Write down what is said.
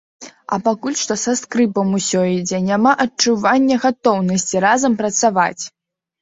А пакуль што са скрыпам усё ідзе, няма адчування гатоўнасці разам працаваць.